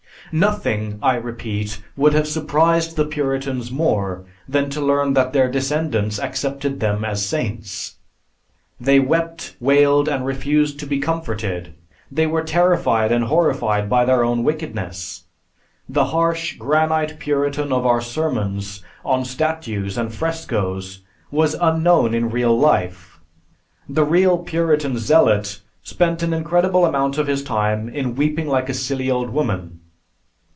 "Nothing, I repeat, would have surprised the Puritans more than to learn that their descendants accepted them as saints. They wept, wailed, and refused to be comforted. They were terrified and horrified by their own wickedness. The harsh, granite Puritan of our sermons, on statues and frescoes, was unknown in real life. The real Puritan Zealot spent an incredible amount of his time in weeping like a silly old woman.